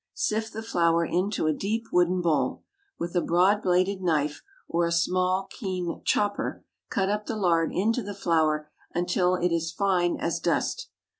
Sift the flour into a deep wooden bowl. With a broad bladed knife, or a small keen "chopper," cut up the lard into the flour until it is fine as dust.